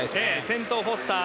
先頭はフォスター。